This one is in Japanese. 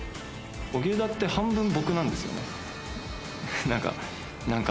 荻生田って半分僕なんですよね。